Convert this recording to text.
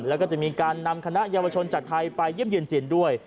แล้วก็จะมีการนำคณะเยาวชนจากไทยไปเยี่ยมเยี่ยนจีนด้วย